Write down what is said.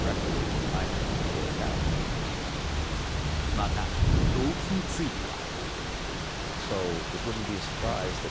また、動機については。